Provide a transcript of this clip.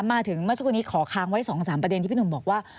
มาถึงเมื่อสักครู่นี้ขอค้างไว้๒๓ประเด็นที่พี่หนุ่มบอกว่า